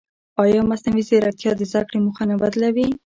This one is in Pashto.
ایا مصنوعي ځیرکتیا د زده کړې موخه نه بدلوي؟